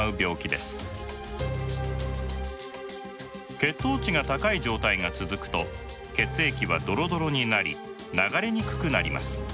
血糖値が高い状態が続くと血液はドロドロになり流れにくくなります。